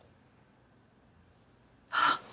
あっ！